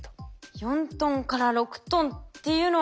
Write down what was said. ４トンから６トンっていうのは。